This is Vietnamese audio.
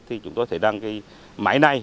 thì chúng tôi thấy rằng cái máy này